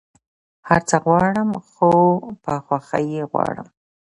هر څه غواړم خو په خوښی يي غواړم